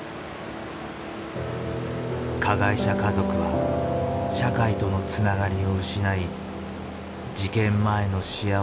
加害者家族は社会とのつながりを失い事件前の幸せな記憶をよすがに生きていた。